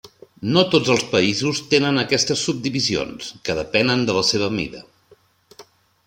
No tots els països tenen aquestes subdivisions, que depenen de la seva mida.